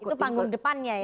itu panggung depannya ya